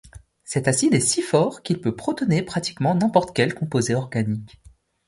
Cet acide est si fort qu'il peut protoner pratiquement n'importe quel composé organique.